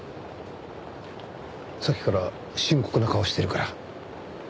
さっきから深刻な顔してるから。